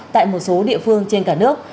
tại một số địa phương trên cả nước